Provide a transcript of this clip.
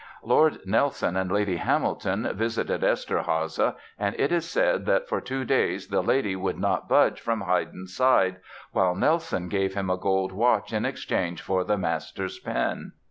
Lord Nelson and Lady Hamilton visited Eszterháza and it is said that for two days the Lady "would not budge from Haydn's side", while Nelson gave him a gold watch in exchange for the master's pen!